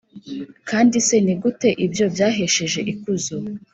kandi se ni gute ibyo byahesheje ikuzo